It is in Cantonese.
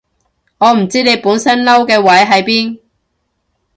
我唔知你本身嬲嘅位喺邊